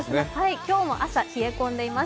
今日も朝、冷え込んでいます。